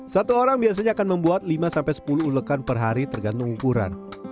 satu orang biasanya akan membuat lima sampai sepuluh ulekan per hari tergantung ukuran